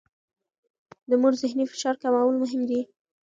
د مور ذهني فشار کمول مهم دي.